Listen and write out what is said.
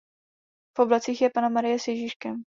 V oblacích je Panna Marie s Ježíškem.